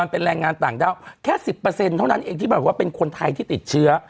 เป็นแรงงานต่างด้าวแค่๑๐เท่านั้นเองที่แบบว่าเป็นคนไทยที่ติดเชื้อ